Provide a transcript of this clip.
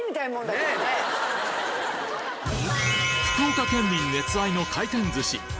福岡県民熱愛の回転寿司